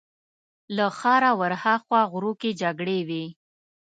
له ښاره ورهاخوا غرو کې جګړې وې.